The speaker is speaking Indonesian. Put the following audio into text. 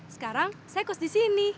sekarang saya kos disini